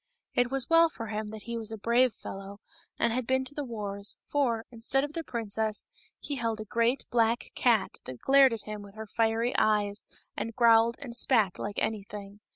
It was well for him that he was a brave fellow and had been to the wars, for, instead of the princess, he held a great black cat that glared at him with her fiery eyes, and growled and spat like anything.